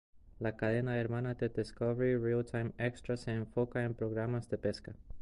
La cadena hermana de Discovery Real Time Extra se enfoca en programas de pesca.